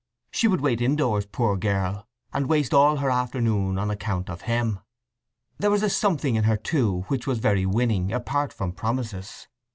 She would wait indoors, poor girl, and waste all her afternoon on account of him. There was a something in her, too, which was very winning, apart from promises.